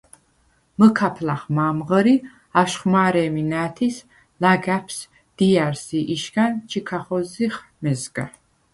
მჷქაფ ლახ მო̄მ ღჷრი, აშხვ მა̄რე̄მი ნა̄̈თის – ლაგა̈ფს, დია̈რს ი იშგან ჩი̄ ქახოზზიხ მეზგა.